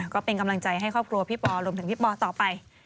ก็เป็นกำลังใจให้ครอบครัวพี่ปอรวมถึงพี่ปอต่อไป